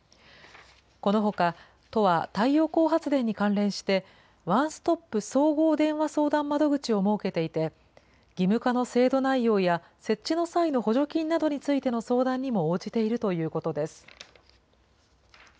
このほか、都は太陽光発電に関連して、ワンストップ総合電話相談窓口を設けていて、義務化の制度内容や設置の際の補助金などの相談にも応じているということです。